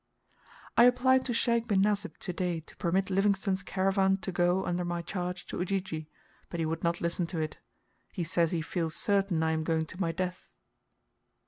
I applied to Sheikh bin Nasib to day to permit Livingstone's caravan to go under my charge to Ujiji, but he would not listen to it. He says he feels certain I am going to my death.